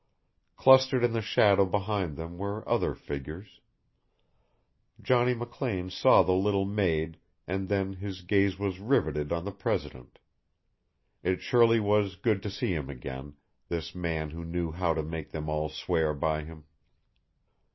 Clustered in the shadow behind them were other figures. Johnny McLean saw the little maid and then his gaze was riveted on the president. It surely was good to see him again; this man who knew how to make them all swear by him.